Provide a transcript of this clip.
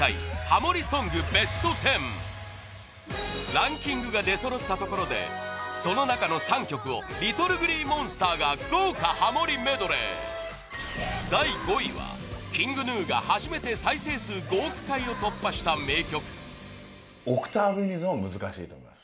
ランキングが出そろったところでその中の３曲をＬｉｔｔｌｅＧｌｅｅＭｏｎｓｔｅｒが豪華ハモりメドレー第５位はＫｉｎｇＧｎｕが初めて再生数５億回を突破した名曲村上：オクターブユニゾンは難しいと思います。